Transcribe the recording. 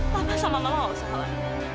papa sama mama gak usah salah